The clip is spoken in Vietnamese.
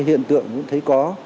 hiện tượng cũng thấy có